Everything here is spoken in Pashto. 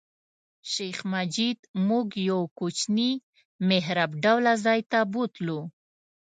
شیخ مجید موږ یو کوچني محراب ډوله ځای ته بوتلو.